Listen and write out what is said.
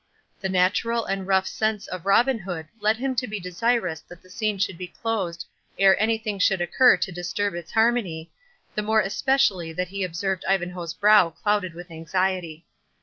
The natural and rough sense of Robin Hood led him to be desirous that the scene should be closed ere any thing should occur to disturb its harmony, the more especially that he observed Ivanhoe's brow clouded with anxiety.